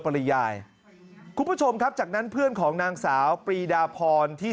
ปริยายคุณผู้ชมครับจากนั้นเพื่อนของนางสาวปรีดาพรที่